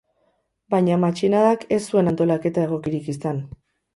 Baina matxinadak ez zuen antolaketa egokirik izan.